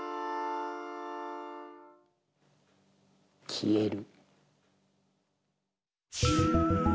消える。